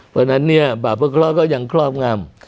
เพราะฉะนั้นเนี่ยบาปกฤษก็ยังครอบงำ